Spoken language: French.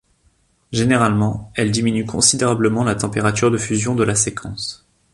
Généralement, elles diminuent considérablement la température de fusion de la séquence.